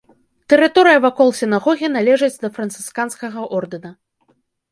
Тэрыторыя вакол сінагогі належыць да францысканскага ордэна.